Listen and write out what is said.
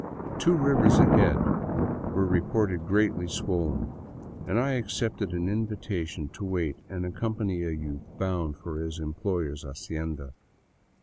Two rivers ahead were reported greatly swollen, and I accepted an invitation to wait and accompany a youth bound for his employer's hacienda.